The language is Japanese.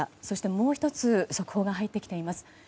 そして、もう１つ速報が入ってきています。